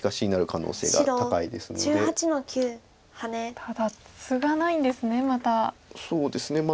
ただツガないんですねまた。